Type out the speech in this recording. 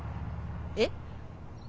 えっ？